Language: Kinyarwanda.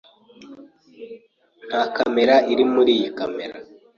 Nta kamera iri muri iyi kamera.